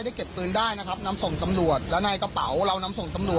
เก็บปืนได้นะครับนำส่งตำรวจแล้วในกระเป๋าเรานำส่งตำรวจ